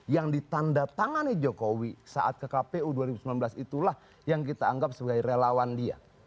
yang ditanda tangani jokowi saat ke kpu dua ribu sembilan belas itulah yang kita anggap sebagai relawan dia